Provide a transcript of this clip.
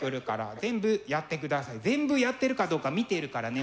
全部やってるかどうか見てるからね私がねえ。